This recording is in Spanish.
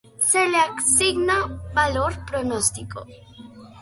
Se le asigna valor pronóstico.